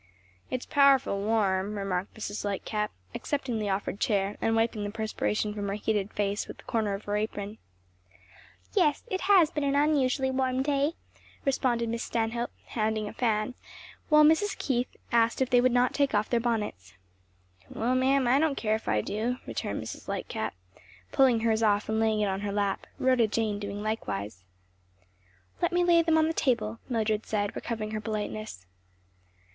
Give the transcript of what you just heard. "It's powerful warm," remarked Mrs. Lightcap, accepting the offered chair and wiping the perspiration from her heated face with the corner of her apron. "Yes, it has been an unusually warm day," responded Miss Stanhope, handing a fan; while Mrs. Keith asked if they would not take off their bonnets. "Well ma'am, I don't care if I do," returned Mrs. Lightcap, pulling hers off and laying it on her lap; Rhoda Jane doing likewise. "Let me lay them on the table," Mildred said, recovering her politeness.